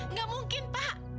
nggak mungkin pak